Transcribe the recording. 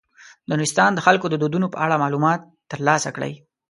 د نورستان د خلکو د دودونو په اړه معلومات تر لاسه کړئ.